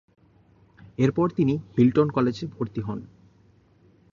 এরপর তিনি হিল্টন কলেজে ভর্তি হন।